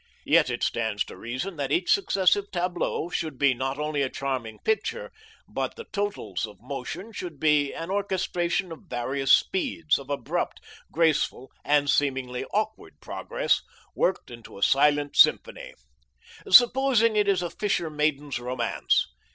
Yet it stands to reason that each successive tableau should be not only a charming picture, but the totals of motion should be an orchestration of various speeds, of abrupt, graceful, and seemingly awkward progress, worked into a silent symphony. Supposing it is a fisher maiden's romance.